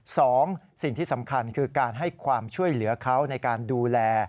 สองสิ่งที่สำคัญคือการให้ความช่วยเหลือเขาในการดูแล